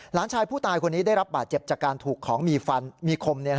หลานชายผู้ตายคนนี้ได้รับบาดเจ็บจากการถูกของมีฟันมีคม